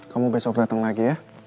kamu besok datang lagi ya